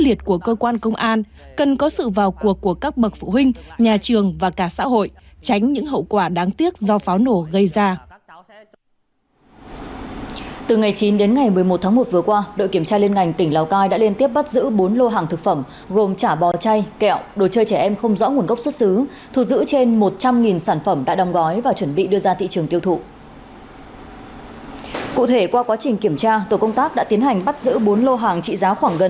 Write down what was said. sau quá trình kiểm tra tổ công tác đã tiến hành bắt giữ bốn lô hàng trị giá khoảng gần ba trăm hai mươi triệu đồng